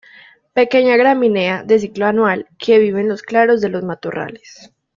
Pequeña gramínea de ciclo anual que vive en los claros de los matorrales.